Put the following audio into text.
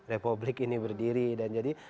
republik ini berdiri dan jadi